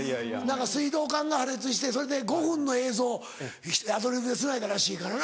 何か水道管が破裂してそれで５分の映像をアドリブでつないだらしいからな。